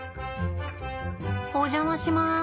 お邪魔します。